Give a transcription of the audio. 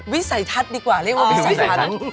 วิสัยทัศน์ดีกว่าเรียกว่าวิสัยทัศน์